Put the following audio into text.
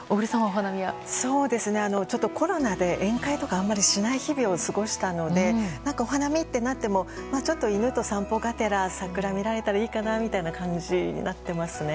コロナで宴会とかあまりしない日々を過ごしたのでお花見となってもちょっと犬と散歩がてら桜を見られたらいいなみたいな感じになっていますね。